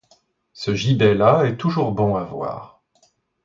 Ce gibet-là est toujours bon à voir.